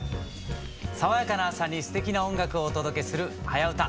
爽やかな朝にすてきな音楽をお届けする「はやウタ」。